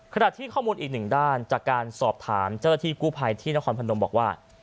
ขณะที่ข้อมูลอีกหนึ่งด้านจากการสอบถามเจ้าหน้าที่กู้ภัยที่นครพนมบอกว่า